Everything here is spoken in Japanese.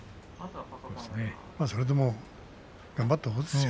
まあ、それでも頑張ったほうですよ。